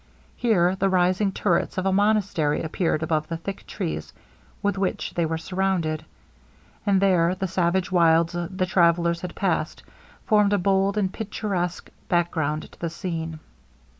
Here the rising turrets of a monastery appeared above the thick trees with which they were surrounded; and there the savage wilds the travellers had passed, formed a bold and picturesque background to the scene.